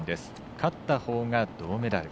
勝ったほうが銅メダル。